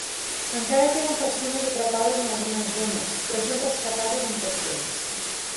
Encara queden persones atrapades en algunes zones, però són rescatades en poc temps.